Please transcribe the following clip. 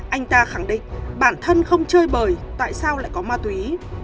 anh ta khẳng định bản thân không chơi bởi tại sao lại có ma túy